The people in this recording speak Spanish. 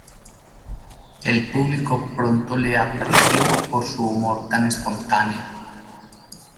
El público pronto le apreció por su humor tan espontáneo.